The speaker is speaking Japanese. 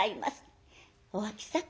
お秋さん